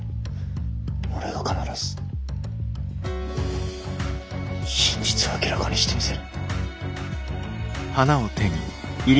俺が必ず真実を明らかにしてみせる。